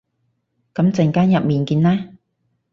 噉陣間入面見啦